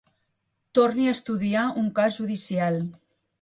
Torni a estudiar un cas judicial.